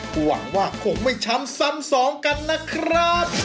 หวังว่าคงไม่ช้ำซ้ำสองกันนะครับ